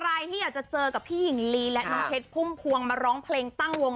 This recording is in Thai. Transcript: ใครที่อยากจะเจอกับพี่หญิงลีและน้องเพชรพุ่มพวงมาร้องเพลงตั้งวง